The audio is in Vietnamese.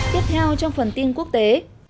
tiếp theo trong phần tin quốc tế